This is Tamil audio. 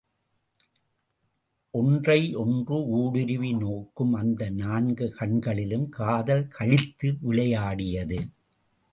ஒன்றையொன்று ஊடுருவி நோக்கும் அந்த நான்கு கண்களிலும் காதல் களித்து விளையாடியது.